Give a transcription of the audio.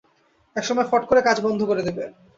একসময় ফট করে কাজ বন্ধ করে দেবে।